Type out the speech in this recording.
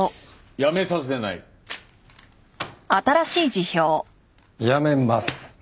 辞めます。